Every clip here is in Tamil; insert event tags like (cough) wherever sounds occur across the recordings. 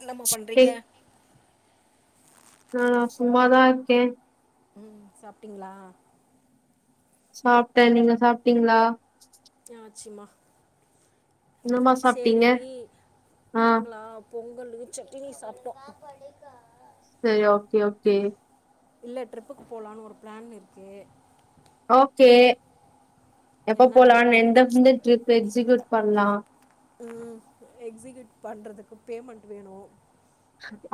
(inaudible) என்னமா பண்றீங்க ஆ நா சும்மா தா இருக்கே ம் சாப்டிங்ளா சாப்ட நீங்க சாப்டீங்ளா (unintelligible) ஆச்சிம்மா என்னமா சாப்ட்டீங்க சேரி ஆ நாங்ளா பொங்கலு சட்னி சாப்டோ சேரி ஓகே ஓகே இல்ல ட்ரிப்புகு போலானு ஒரு பிளான் இருக்கு ஓக்கே எப்ப என்ன போல எப்படி எந்தந்த ட்ரிப் எக்ஸிகியுட் பண்லா ம் எக்ஸிகியூட் பண்றதுக்கு பேமண்ட் வேணு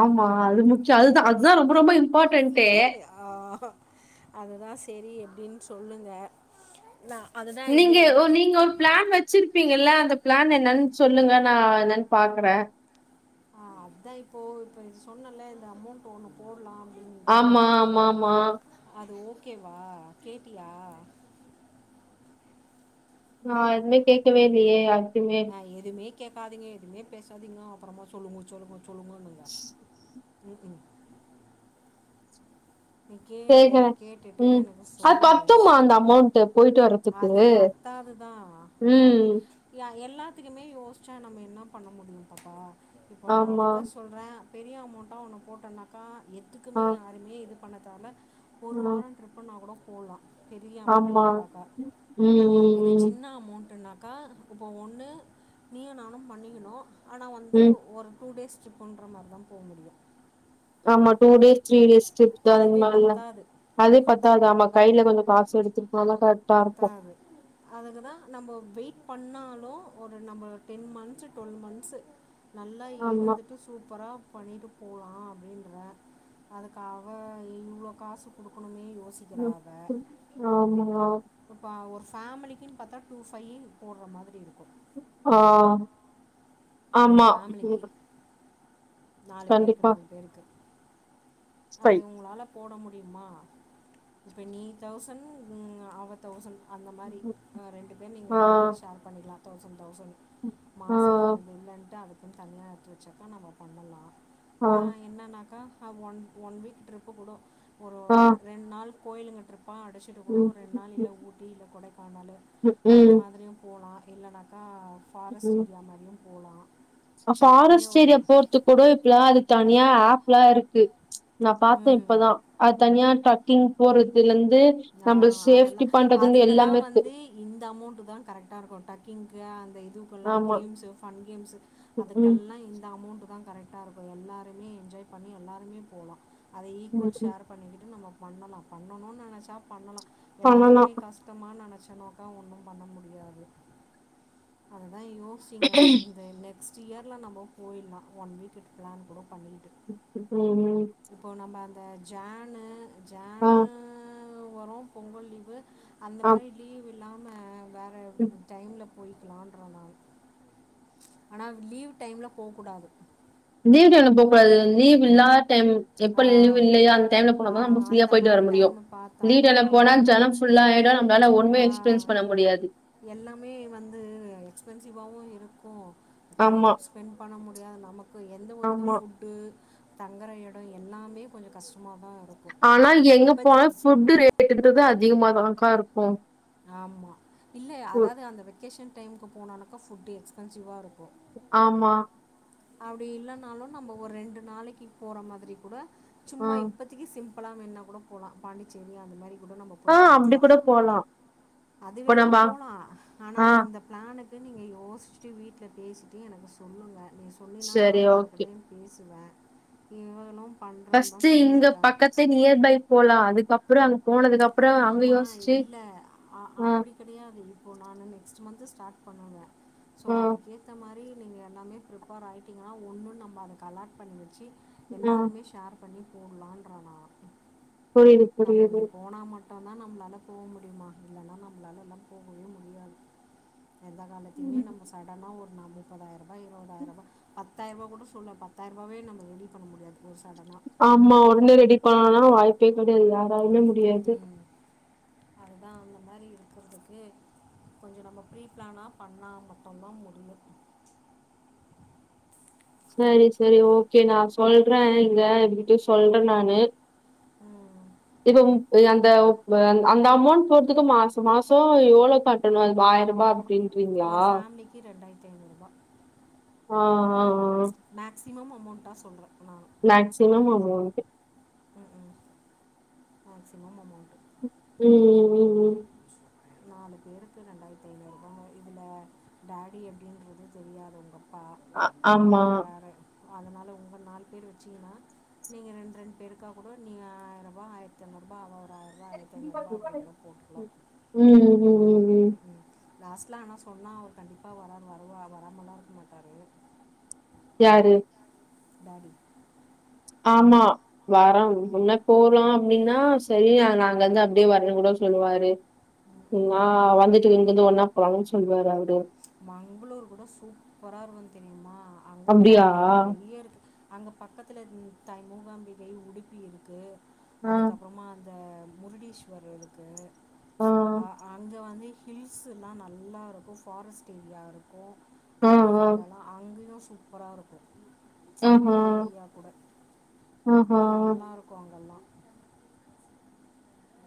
ஆமா அது முக்யோ அதுதா அதுதா ரொம்ப ரொம்பவே இம் ஆ அதுதா செரி எப்டின் சொல்லுங்க நா அதுதா இந்த நீங்க ஒ இது நீங்க ஒரு பிளான் வெச் சிருப்பீங்கில்ல அந்த பிளான் என்னன் சொல்லுங்க நா அத பாக்குற அ அத்தா இப்போ இப்ப இது சொன்னல்ல இந்த அமௌண்ட் இப்ப ஒன்னு போட்லா அப்டிங்ன்னுட்டு ஆமா ஆமா ஆமா அது ஓக்கேவா கேட்டியா நா எதுமே கேக்குவேலியே யார்ட்டியுமே அ எதுமே கேக்காதீங்க எதுமே பேசாதீங்க அப்றமா சொல்லுங்கோ சொல்லுங்கோ சொல்லுங்குங்கோன்னுங்க ம்ஹ்ம் நீ கேளூ கேக்குறே கேட்டுட்டு ம் எனக்கு அது சொல்லு பத்துமா அந்த அமௌண்ட் போயிட்டு வர்றதுக்கு அது பத்தாதுதா ம் (inaudible) யா எல்லாத்துகும்மே யோஸ்ச்சா நம்ம இன்ன பண்ண முடியு பாப்பா இப்ப நா ஆமா அதுகுதா சொல்றே பெரிய அமௌண்ட்டா ஒன்னு போட்டோன்னாக்கா எதுக்குமே ஆ யாருமே இது பண்ணதால ஒரு வார ம் ட்ரிப் அப்ப நா கூட போல்லா பெரிய அமௌன்ட்டு ஆமா போட்டாக்கா ம் ம் இது ம் சின்ன அமௌண்ட்டுன்னாக்கா இப்போ ஒன்னு நீயு நானும் பண்ணிகணோ ஆனா வந்து ம் ஒரு டூ டேஸ் ச்சிப் போன்ற மார்தாம் போ முடியு ஆமா டூ டேஸ் த்ரீ டேஸ் ட்ரிப்தா அதுவே அந்மால்லா பத்தாது அதே பத்தாது ஆமா கைல கொஞ்சோ காசு எடுத்திட் போனாதா கரெட் பத்தாது அதுக்குதா நம்ப வெயிட் பண்ணாலு ஒரு நம்ம டென் மந்த்ஸு டுவெல் மந்த்ஸு நல்லா ஆமா இருந்துட்டு சூப்பரா பண்ணிட்டுப் போலா அப்டின்ற அதுக்கு அவ இவ்ளோ காசு குடுக்கணுமே யோச் ஆமா இப்போ ஒரு ஃபேமிலிக்கின் பாத்தா டூ ஃபை போர்ற மாதிரி இருக்கு ஆ ஒரு ஆமா ஃபேமிலிக்கு நாலு பேருக்கு கண்டிப்பா நாலு பேருக்கு ஸ்பை அதை உங்ளாலப் போட முடியுமா இப்ப நீ தௌசண்ட் அவ தௌசண்ட் அந்த மாரி ம். அ ரெண்டு பேர் நீங்க ஆ ரெண்டு பேரு ஷேர் பண்ணிட்லா தௌசண்ட் தௌசண்ட் ஆ மாசனாம் இல்லன்ட்டு அதுக்குன் தனியாக எத்து வெச்சாத்தா நம்ம பண்ணலா ஆ அதா என்னனாக்கா அ ஒன் ஒன் வீக் ட்ரிப்பு கூடோ ஒரு ஆ ரெ ரெண் நாள் கோயிலுங்க ட்ரிப்பா அடிச் சிட்டு கூடோ ம் ஒரு ரெண் நாள் இல்ல ஊட்டி இல்ல கொடைக்கானலு ம் அந்த ம் மாதிரியும் போலா இல்லனாக்கா ஃபாரஸ்ட் ம். ஏரியா மாரியும் ஃபாரஸ்ட் ஏரியா போற் த்துக் கூடோ இப்லா அதுக் தனியா ஆப்லா இருக்கு நாப் பாத்த ம் இப்பதா அத் தனியா ட்ரக்கிங் போறதுலந்து ஆ அதலா அதுக்கலா இருக்கு வந்தி இந்த அமௌண்ட்டுதான் கரெக்டா இருக்கு டக்கிங்கு அந்த இதுவ் பல்லாங் ஆமா கேம்ஸ்சு ஃபன் கேம்ஸ்சு ம் அதுக்கல்லா இந்த அமௌண்ட்டுதா கரெக் ட்டாருக்கு எல்லாருமே என்ஜாய் பண்ணி எல்லாருமே போலா அதை ம் ஈக்குவல் ம் ஷேர்ப் பண்ணிகிட்டு நம்ம பண்ணலா பண்ணணுன் நெனச்சாப் பண்ணலா பண்ணலா எல்லாத்துகுமே காஸ்ட் த்தமா நெனச்சனோக்கா ஒன்னு பண்ண முடியாது அதுதா யோ சிங்க இந்த நெக்ஸ்ட் இயர்ல நம்ப போயில்லா ஒன் வீக்குக் பிளான் கூட பண்ணிகிட்டு ஹுஹும் இப்போ நம்ம அந்த ஜேனு ஆ ஜேனு அ ஒரம் பொங்கல் லீவு அந்த ஆ மாரி லீவு இல்லாம வேற டைம்ல போய்க்கலான்ற நான் ஆனா லீவ் டைம்ல போக்கூடாது லீவு டைம்ல போக்கூடாது லீவு இல்லாத் டைம் ஆ எப்ப லீவ் இல்லையோ அந்த டைம்ல ஆ, போனாதா நம்ப ஃபிரீயா அந்த போயிட்டு மாதிரி வர முடியு டைமை பார்த்தா லீவ் தான் டைம்ல நம்ம போனா கொஞ்சம் ஜனம்ச் ஃபுல்லா ஆய்டு நம்ளால ஆ, ஒன்மே எக்ஸ்பீரன்ஸ் பண்ண முடியாது எல்லாமே வந்து எக்ஸ்பென்சிவாவவு இருக்கு டைம் ஆமா ஸ்பெண்ட் பண்ண முடியாது நமக்கு எந்த ஒரு இதுவு ஆமா ஃபுட்டு தங்கற எட் ட எல்லாமே கொஞ்சோ கஷ்டமாதா இருக் ஆனால் எங்க போன ஃபுட்டு் ரேட்டுன்றது அதிகமாதாக்கா இருக்கு ஆமா இல்லே அதாது அந்த வெக்கேஷன் டைம்க்கு போனானாக்கா ஃபுட்டு எக்ஸ்பென்சிவ்வா இருக்கு ஆமா அப்டி இல்லனாலு நம்ப ஒரு ரெண்டு நாளைக்கிப் போற மாதிரி கூட ஆ சும்மா இப்பத் திகி சிம்பளா வேண்ணாக் கூடப் போலா பாண்டிச்சேரி அந்த மாரி கூட நம்ப ஆ போயிட்டு அப்டி வர்லா கூட போலா அது இப்ப வேணாப் நம்ம போலா ஆனா ஆ இந்தப் பிளானுக்கு நீங்க யோச்ட்டு வீட்லப் பேசிட்டு எனக்கு சொல்லுங்க நீ சொன்னினா சரி நானா ஓகே. அவகிட்டையும் பேசுவே இவளு பண்றோம் தா சொல்லியிருக்காங்க செரி நியர் பை போலா அதுக்கப்புறோ அங்க போனதுக்கு அப்றோ அங்க போகலாமா யோசிச்சு ஆ கெடையாது இப்போ நானு நெக்ஸ்டு மந்த் ஸ்டார்ட் பண்ணுவே சோ ம், அதுக்கேத்த மாரி நீங்க எல்லாமே பிரிப்பேர் ஆயிட்டீங்கன்னா ஒன்னு நம்ம அதுக்கு அலாட் பண்ணி வச்சு ம். எல்லாருமே ஷார் பண்ணி போட்லான்ற நா புரியுது புரியுது போனா மட்டுந்தா நம்மளால போக முடியுமா இல்லனா நம்மளால எல்லா போகவே முடியாது எந்த காலத்தையுமே ம். நம்ம சடனா ஒரு நம்ப முப்பதாயிரரூபா இருபதாயிரூபா பத்தாயிரரூபா கூட சொல்ல பத்தாயிரரூபாவே நம்ம ரெடி பண்ண முடியாது ஒரு சடனா ஆமா ஒடனே ரெடி பண்ணணுனா வாய்ப்பே கெடையாது யாராலுமே முடியாது அதுதா அந்த மாரி இருக்குறதுக்கு கொஞ்சோ நம்மோ ப்ரீ ப்ளானா பண்ணா மட்டுந்தா முடியு செரி செரி ஓகே நா சொல்றே இங்க இப்டி சொல்றே நானு ம், இவ இப் அந்த அந்த அமௌண்ட் போட்றதுக்கு மாசோ மாசோ எவ்ளோ கட்டணு அதுக்கு ஆயிரூபா ஒரு ஃபேமிலிக்கு ரெண்டாயிரத்து ஐநூறு ரூபா அ அ அ மேக்ஸிமம் அமௌண்டா சொல்றே நானு மேக்சிமம் அமௌண்டு ம் ம் மேக்ஸிமம் அமௌண்ட் ம் ம், ம். நாலு பேருக்கு ரெண்டாயிரத்து ஐநூறு ரூபா இதுல டாடி எப்டின்றது தெரியாதவங்க அப்பா அ அவரு ஆமா. வேற அதனால உங்க நாலு பேர் வச்சீங்கனா நீங்க ரெண் ரெண்டு பேருக்காக கூட நீ ஆயிர ரூபா ஆயிரத்திஐநூறு ரூபா அவ ஒரு ஆயிரோ ஆயிரத்திஐநூறு ரூபா அப்டி கூட போட்டுக்கலா ம் ம் ம் ம் ம் லாஸ்ட்ல ஆனா சொன்னா அவர் கண்டிப்பா வராரு வரு வராமலா இருக்க மாட்டாரு யாரு டாடி ஆமா வரோம் முன்ன போறா அப்டினா செரி நாங்க வந்து அப்டியே வரணு கூட சொல்லுவாரு ஆ வந்துட்டு இங்கிருந்து ஒன்னா போறாங்கன்னு சொல்லுவாரு அவரு மங்களூர் கூட சூப்பரா இருக்கு தெரியுமா அங்கங்க அப்டியா அங்க நெறையா இருக்கு அங்கே பக்கத்துல த மூகாம்பிகை உடுப்பி இருக்கு ஆ அதுக்கப்பறமா இந்த முருடீஸ்வர் இருக்கு ஆ அ அங்க வந்து ஹில்ஸ்ஸுலா நல்லாருக்கு ஃபாரஸ்ட் ஏரியா இருக்கு ஆ ட்ரக்கிங் ஆ ஏரியாலா அங்கயு சூப்பரா இருக்கு ஆஹா அந்த ஏரியா கூட ஆஹா அது நல்லா இருக்கு அங்கல்லா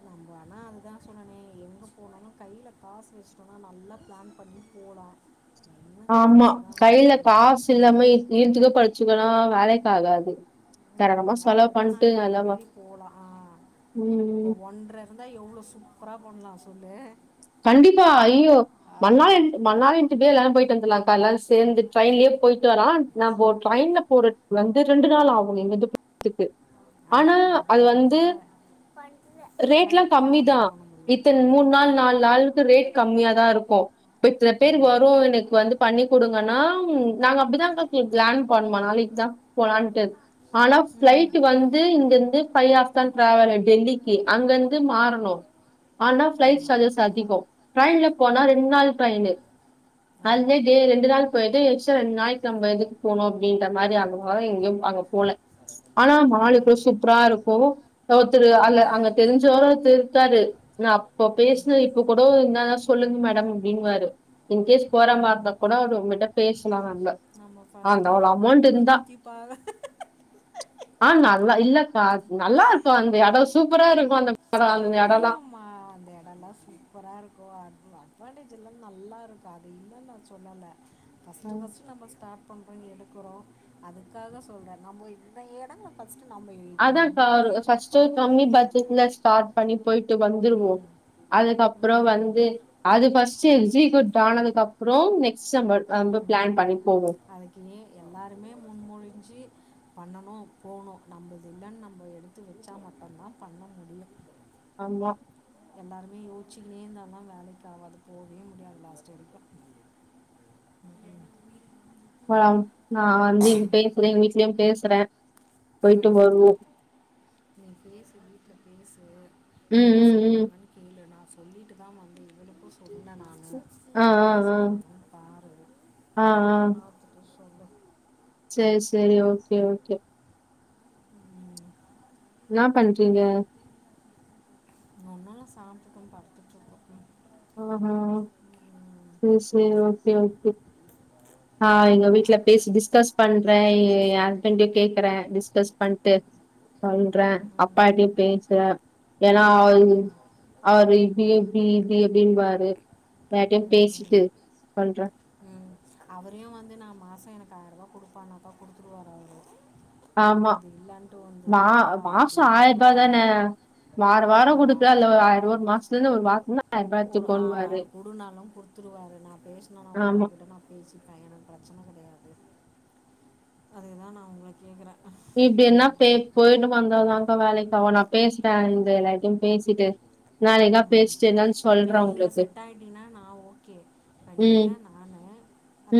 நம்ம ஆனா அதுதா சொன்னனே எங்க போனாலு கையில காசு வச்சுட்டோனா நல்லா ப்ளான் பண்ணி பூடான் ஆமா கையில காசு இல்லாம (unintelligible) படிச்சுகனா வேலைக்காகாது ம் அதுக்கு தா நா இந்த மாரி போலா ம் இப்ப ஒன்ற வந்தா எவ்ளோ சூப்பரா பண்லா சொல்லு கண்டிப்பா ஐயோ ஆ மண்ணா கெல்ட் மன்னாரின்டுக்கே எல்லாரு போயிட்டு வந்துற்லாக்கா எல்லா சேந்து ட்ரெயின்லயே போயிட்டு வர நம்போ ட்ரெயின்ல போற வந்து ரெண்டு நாள் ஆகு இங்கெருந்து போறதுக்கு ஆனா ஆஹா அது வந்து மண்ணா ரேட்ல்லா ஃப்ளைட்டு கம்மி தான் தா புக் பண்ண முடியும் இத்தன் ஆமாம் மூண் நாள் நால் ஒரலுக்கு ரேட் கம்மியா தா இருக்கு இப் இத்தன பேர் ம் வரு எனக்கு வந்து பண்ணி குடுங்கனா நாங்க அப்டிதாக (unintelligible) ஜாய்ன் பண்ணுவோ நாளைக்கி எக்ஸா போலான்டு ஆனா ம் ப்ளைட்டு வந்து இங்கிந்து ஃபை ஆப்தா ட்ரவலே டெல்லிக்கு அங்க இருந்து மாறணு ஆனா ப்ளைட் ஆமாம் சர்ஜஸ் அதிகோ ட்ரெய்ன்ல போனா ரெண்டு நாள் ட்ரைனு அது தே ஆமாம் டே ரெண்டு நாள் போய்ட்டு எக்ஸ்டா ரெண்டு நாளைக்கி நம்ம எதுக்கு போனு அப்டின்ற மாரி அங்க எங்கயு அங்க போல ஆனா ம் மாலுக்குள்ள சூப்பரா இருக்கு ஒருத்தரு அல்ல அங்க ஆமாம் தெரிஞ்சோர ஒருத்தர் இருக்காரு நா அப்ப ம் பேஸ் ன இப்ப கூட என்னா சொல்லுங்க மடம் அப்டினுவாரு இன்கேஸ் போற மாரி இருந்தா கூட அவரு உங்கிட்ட பேசலா நம்ப ஆமா ஃபஸ்ட்டு நம்ம ஊர சுத்தி பார ஆ நல்லா இல்லப்பா நல்லா இருக்கு அந்த எடோ சூப்பரா இருக்கு அந்த எடோ அந்த எடோல்லா தெரியும்மா அந்த எடோல்லா சு சூப்பரா இருக்கு அந் அட்வான்டேஜ் எல்லா நல்லா இருக்கு அது இல்லன் நா சொல்லல ஃபஸ்ட்டு ஃபஸ்ட்டு நம்ம ஸ்டாட் பண்றோ எடுக்குறோ அதுக்காக சொல்ற நம்ம இந்த எடங் ஃபஸ்ட்டு நம்ம இல் அதா கா ஃபர்ஸ்ட்டு கம்மி பட்ஜெட்ல ஸ்டாட் பண்ணி போய்ட்டு வந்துருவோ ம் அதுக்கப்பறோ ம் வந்து அது ஃபஸ்ட்டு எக்ஸிக்யூட் ஆனதுக்கப்புறோ நெக்ஸ்ட்டு நம்ம நம்ப ப்ளன் பண்ணி போவோ அதுக்கினு எல்லாருமே முன் மூன் இன்ச்சு பண்ணணு போணு நம்மது இல்லன்னு நம்ம எடுத்து வச்சா மட்டுந்தா பண்ண முடியும் ஆமா எல்லாருமே யோஸ்ச்சுக்கினே இருந்தானா வேலைக்கு ஆவாது போவே முடியாது லாஸ்ட் வரைக்கு அப்பம் நா வந்து இங்க பேசுறே எங்க வீட்லயு பேசுற ம் நீ பேசு வீட்ல பேசு ம் என்ன ம் ம் சொல்றாங்கன்னு கேளு நா சொல்லிட்டு தா வந்த இவளுக்கு சொன்ன நானு ஆ ஆ என்ன ஆ சொல்றாங்கன் பாரு ஆ ஆ பார்த்துட்டு சொல்லு சரி சரி ஓகே ஓகே ம் என்னா பண்றீங்க ஜன்னல்ல சாத்திட்டு படுத்த ஆஹா ம் சேரி சேரி ஓகே ஓகே ஆ இது எங்க வீட்ல பேசி டிஸ்கஸ் பண்ற ஏ ஹஸ்பண்ட கேக்கற டிஸ்கஸ் பண்ட்டு சொல்ற ம் ம் அப்பாட்டயு பேசுற ஏனா அவ ம் அவரு இது இப்டி இது அப்டின்னுவாரு எல்லார்டயு ம் பேசிட்டு சொல்ற அவரயு வந்து நா மாச எனக்கு ஆயிரூபா குடுப்பானாக்கா குடுத்துருவாரு அவரு ஆமா இது இல்லைன்ட்டு வந்து மா இல்லைப்பா மாசோ அப்படின்ட்டு ஆயிர்ரூபா கொடுப்பா தான வார வாரோ ஆ குடுக்கலா இல்ல ஒரு ஆயிரூவா ஒரு மாசத்துலன்ன ஒரு வார ஒரு ஆ அவர் குடுனாலு குடுத்துருவாரு நா பேசனனா கூட ஆமா அவர்கிட்ட நா பேசி பையன பிரச்சன கெடையாது அதுக்குதா நா உங்கள கேக்கறே இப்படி என்னா பே போயிட்டு வந்தாக்கா வேலைக்காவு நா பேசுறே இந்த எல்லார்ட்டயு பேசிட்டு நாளைக்கா ம் பேசிட்டு என்னன்னு இப்ப சொல்றே நீங்க உங்களுக்கு செட் ஆயிட்டீன்னா நா ஓகே இப்ப நீங்க ம் நானு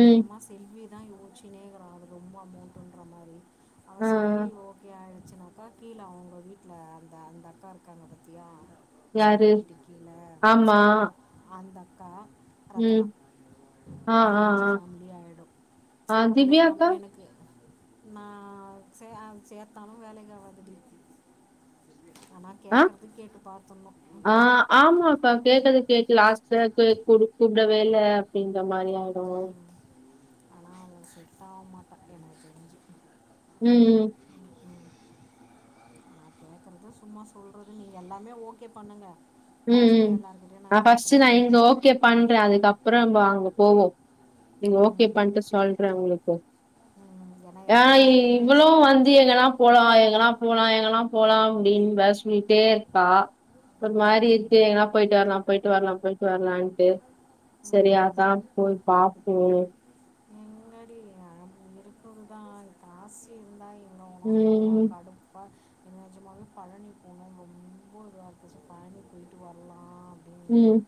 ம் செல்வி தா யோஸ்ச்சுனேக்றா அது ரொம்ப அமௌண்ட்ன்ற மாரி அவ ஆ ஆ செல்வி ஓகே ஆய்டுச்சினாக்க கீழ அவுங்க வீட்ல அந்த அந்த அக்கா இருக்காங்க பாத்தியா செல்வி யாரு வீட்டு கீழ ஆமா அந்தக்கா ம் ரத்னா ஆ இந்த ஆ அஞ்சு ஆ ஃபேமிலி ஆயிடு ஆ எனக்கு நம்ம திவ்யாக்கா எனக்கு நான் சே சேர்த்தாலு வேலைக்கு ஆவதுடி ஆனா கேக்கற்து கேட்டு பாத்துன்ணு ஆமா அக்கா கேட்டது கேட்டு லாஸ்ட்ல கூப்டவே இல்ல அப்டின்ற மாரி ஆயிடு செட்டாகமாட்ட எனக்கு தெரிஞ்சு ம் ம் அ கேக்குறது சும்மா சொல்றது நீங்க எல்லாமே ஓகே பண்ணுங்க ம், ம். லாஸ்ட்டா எல்லார்கிட்டயு நா நான் கேக்குற ஃபர்ஸ்ட்டு நான் நானு இங்க ஓகே பண்றே அதுக்கப்பறோ அங்க போவோ நீங்க ஓகே பண்ட்டு சொல்றே உங்ளுக்கு ஏன்னா ஆ எல்லாருக்கிட்டையும் இவ்வளவு பேசிட்டு வந்து லீவ்லனா போலா எங்கனா போலா எங்கனா போலா அப்டின்பே சொல்லிட்டே இர்ப்பா மாரி இருக்கு எங்கனா போய்ட்டு வர்லா போய்ட்டு வர்லா போய்ட்டு வர்லான்ட்டு ம், ம், சரியாதா ம், போய் பாப்பு முன்னாடி அ இருக்குந்தா காசி இருந்தா எங்க வேணாப் போலாங் ம், கடுப்பா என் நெஜமாவேப் பழனி போனு ரொம்ப ஒரு (unintelligible) பழனிப் போயிட்டு வர்லா டினிட்டு ம்.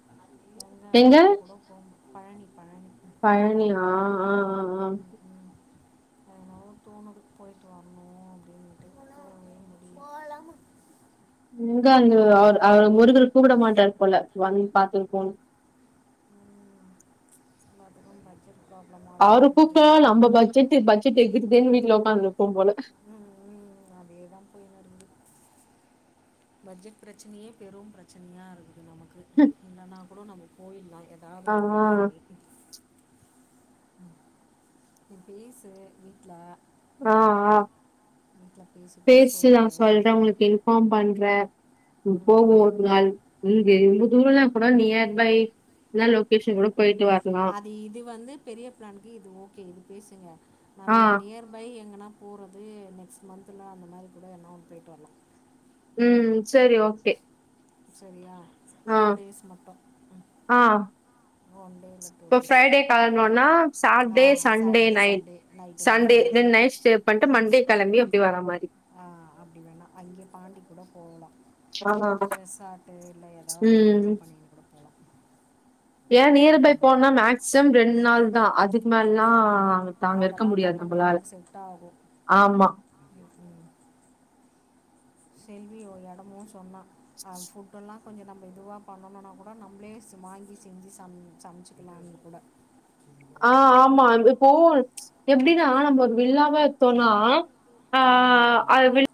எங்க அதுக்கு கூட போம் பழனி பழனி பழனி ஆ ஆ ஆ போனோ தோணுது போயிட்டு வர்ணு அப்டினிட்டு (inaudible) எங்க அந்த அவ அவர் முருகர் கூப்பிட மாட்டாரு போல வந்து பாத்துட்டு போனு ம் பாத்துகோம் (inaudible) அவரு பூக்க நம்ம பட்ஜெட்டு பட்ஜெட்டு எகுருதேன்னு வீட்ல உக்காந்து இருப்போ போல ம் ம் அதேதாம் போயனருந்து பட்ஜெட் பிரச்சனையே பெரும் பிரச்சனையா இருக்கு நமக்கு இல்லன்னா கூட நம்ம போயில்லா ஆ ஏதாது ஒன்னு ரெடி பண்ணிட்டு ம் நீ பேசு வீட்ல ஆ ஆ பேசிட்டு பேசிட் நா சொல்லு சொல்றே உங்குளுக்கு இன்ஃபாம் பண்றே ம், போவு ம். ஒரு நாள் இங்கு ரொம்ப தூரலா கூட நியர் பை இல்னா லொக்கேஷன் கூட போய்ட்டு வர்லா இது வந்து பெரிய பிளான்க்கு இது ஓகே இது பேசுங்க ஆ நம்ம நியர் பை எங்கனா போறது நெக்ஸ்ட் மந்த்ல அந்த மாரி கூட எங்கனா போயிட்டு வர்லா ம் செரி ஓகே செரியா ஆ டூ டேஸ் மட்டும் ம் ஆ இப்ப ஃப்ரைடே கெளம்ணோனா ஆ சாட்டே Sunday Saturday night Sunday night வர சண்டே மாதிரி ரெண் நைட் ஸ்டே பண்ட்டு மண்டே கெளம்பி அப்டியே வரா மாரி ஆ அப்டி வேணா அங்கே பாண்டி கூட போவுலா ஆ ரெசார்ட்டு இல்ல எதாவுது ஒன்னு ம் புக் பண்ணிருவ ஏ நியரபைப் போன்னா மேக்சிம் ரெண் நாள்தா அதுக் மேல்லா ஆமாம் அங்கத் தாங்கருக்க அதெல்லாம் தான் முடியாது கொஞ்சம் நம்பளால ஆம்மா ம் ம் செல்வி ஒ இடமோ சொன்னா அது ஃபுட் எல்லா கொஞ்சோ நம்ம இதுவா பண்ணுனம்னா கூட நம்மளே வாங்கி செஞ்சு சம் சமச்சிக்கலா கூட ஆ ஆமா இந்த இப்போ எப்டின்னா நம்ம ஒரு வில்லாவ சோ நா ஆ ஆ அது வில்